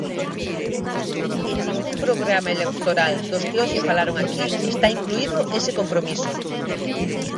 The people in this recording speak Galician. En ningún programa electoral dos que hoxe falaron aquí está incluído ese compromiso.